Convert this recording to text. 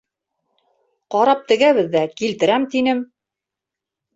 Ҡарап тегәбеҙ ҙә килтерәм тинем!